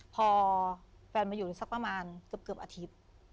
พอแฟนมาอยู่สักประมาณเกือบอาทิตย์